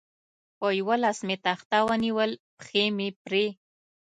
په یوه لاس مې تخته ونیول، پښې مې پرې.